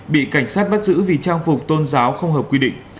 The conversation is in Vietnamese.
bị cảnh sát bắt giữ vì trang phục tôn giáo không hợp quy định